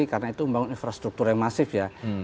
karena itu membangun infrastruktur yang masif ya